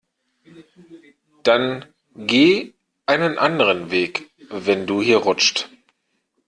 Dann geh einen anderen Weg, wenn du hier rutscht.